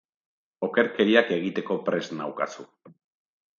Okerkeriak egiteko prest naukazu!